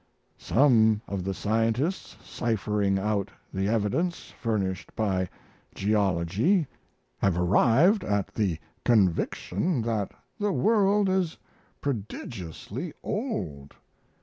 Some of the scientists, ciphering out the evidence furnished by geology, have arrived at the conviction that the world is prodigiously old.